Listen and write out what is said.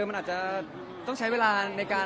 มันอาจจะต้องใช้เวลาในการ